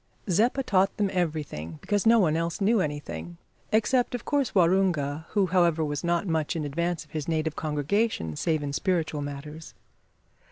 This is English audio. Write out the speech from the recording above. Zeppa taught them everything, because no one else knew anything, except of course Waroonga, who, however, was not much in advance of his native congregation save in spiritual matters.